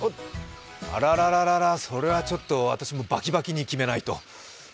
あららら、それはちょっと私もバキバキに決めないと。